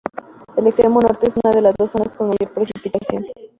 El extremo norte es una de las dos zonas con mayor precipitación.